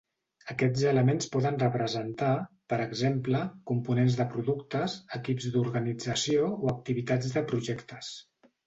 Aquests elements poden representar, per exemple, components de productes, equips d'organització o activitats de projectes.